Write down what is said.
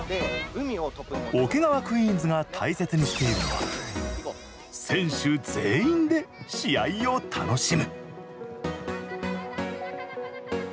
桶川クイーンズが大切にしているのは選手全員で試合を楽しむ！